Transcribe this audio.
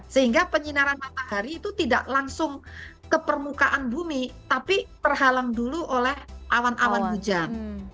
sehingga penyinaran matahari itu tidak langsung ke permukaan bumi tapi terhalang dulu oleh awan awan hujan